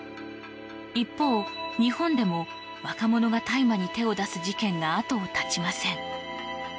一方、日本でも若者が大麻に手を出す事件が後を絶ちません。